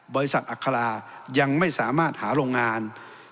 บริษัทอัคราศาสตร์ยังไม่สามารถหารงาน